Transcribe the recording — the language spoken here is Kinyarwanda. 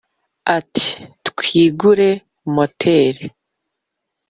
ati: twigure muteri,